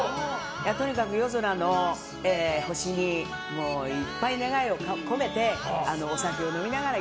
とにかく夜空の星に一杯願いを込めてお酒を飲みながら。